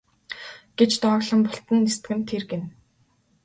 гэж дооглон бултан нисдэг нь тэр гэнэ.